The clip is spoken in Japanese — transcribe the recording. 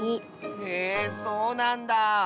へえそうなんだ。